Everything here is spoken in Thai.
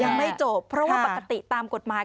ยังไม่จบเพราะว่าปกติตามกฎหมาย